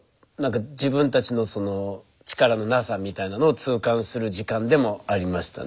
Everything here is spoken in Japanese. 自分たちのその力のなさみたいなのを痛感する時間でもありましたね。